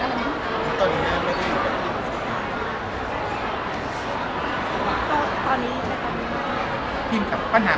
ก็ตอนนี้ไม่คิดว่ามันจะมาถึงจุดนี้เหมือนกัน